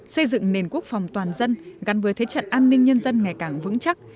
xây dựng nền quốc phòng toàn dân gắn với thế trận an ninh nhân dân ngày càng vững chắc